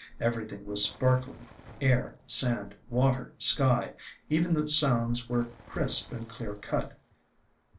Every thing was sparkling, — air, sand, water, sky. Even the sounds were crisp and clear cut.